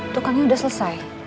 tukangnya udah selesai